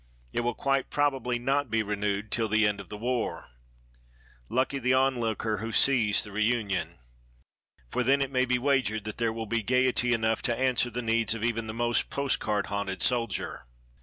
It will quite probably not be renewed till the end of the war. Lucky the onlooker who sees the reunion. For then it may be wagered that there will be gayety enough to answer the needs of even the most post card haunted soldier.